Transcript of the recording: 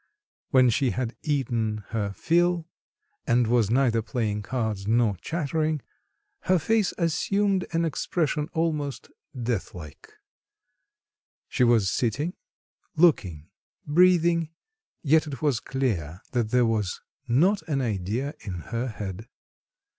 When she had eaten her fill, and was neither playing cards nor chattering, her face assumed an expression almost death like. She was sitting, looking, breathing yet it was clear that there was not an idea in her head.